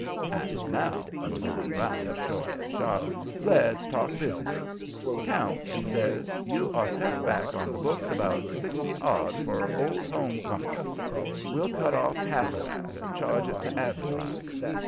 "And now," goes on Brown, short and sharp, "let's talk business. Count," he says, "you are set back on the books about sixty odd for old home comforts. We'll cut off half of that and charge it to advertising.